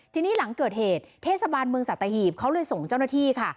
ทีนี้หลังเกิดเหตุเทศบาลเมืองสัตหีบเขาเลยส่งเจ้าหน้าที่ค่ะ